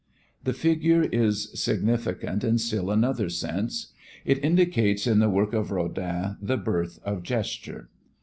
The figure is significant in still another sense. It indicates in the work of Rodin the birth of gesture.